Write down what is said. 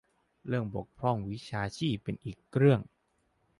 เรื่องบกพร่องวิชาชีพเป็นอีกเรื่อง